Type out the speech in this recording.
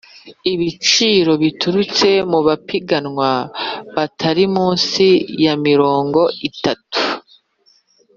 ibiciro biturutse mu bapiganwa batari munsi ya mirongo itatu